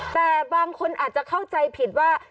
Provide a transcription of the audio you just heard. แต่บางคนอาจจะเข้าใจผิดว่า